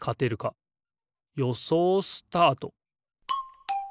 よそうスタート！